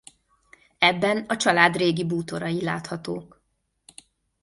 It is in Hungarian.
Ebben a család régi bútorai láthatók.